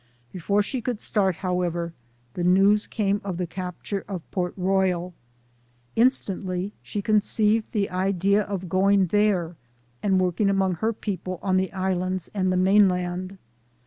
" Before she could start, however, the news came of the capture of Port Royal. Instantly she con ceived the idea of going there and working among LIFE OF HARRIET TUBMAN. 85 her people on the islands and the mainland.